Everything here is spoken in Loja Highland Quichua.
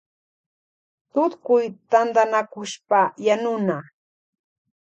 Tutkuy tantanakushpa yanuna.